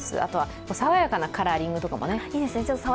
あとは爽やかなカラーリングとかもね。